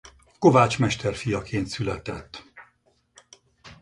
Kovácsmester fiaként született.